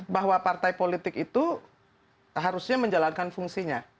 bahwa partai politik itu harusnya menjalankan fungsinya